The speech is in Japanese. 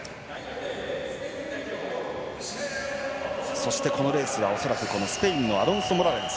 そして、このレースはスペインのアロンソモラレス。